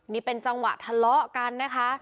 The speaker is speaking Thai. นี่เป็นจังหวะทะเลาะกันนะคะ